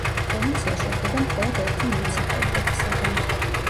პროვინცია შედგება მხოლოდ ერთი მუნიციპალიტეტისაგან.